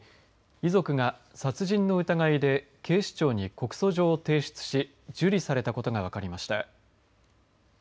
遺族が殺人の疑いで警視庁に告訴状を提出し受理されたことが分かりました。